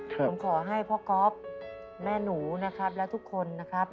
ผมขอให้พ่อก๊อฟแม่หนูนะครับและทุกคนนะครับ